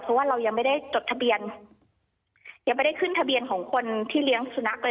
เพราะว่าเรายังไม่ได้จดทะเบียนยังไม่ได้ขึ้นทะเบียนของคนที่เลี้ยงสุนัขเลย